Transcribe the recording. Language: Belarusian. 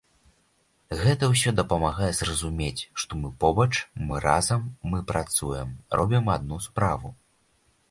Гэта ўсё дапамагае зразумець, што мы побач, мы разам, мы працуем, робім адну справу.